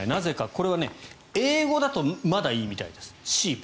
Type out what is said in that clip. これは英語だとまだいいみたいです。